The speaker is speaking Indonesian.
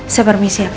saya permisi ya pak